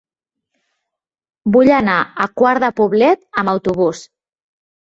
Vull anar a Quart de Poblet amb autobús.